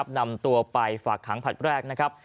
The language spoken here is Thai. นำตัวไปฝากขังผลัดแรกนะครับ